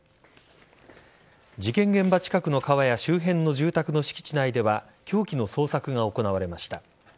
事件現場近くの川や周辺の住宅の敷地内では凶器の捜索が行われました。